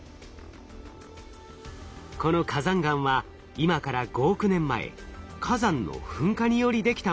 この火山岩は今から５億年前火山の噴火によりできたもの。